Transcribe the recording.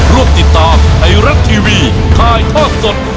ร่วมติดตามไทยรัฐทีวีถ่ายทอดสด